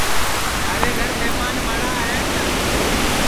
تھارے گھر مھمان مڑا ہے کیا